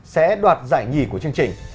sẽ đoạt giải nhì của chương trình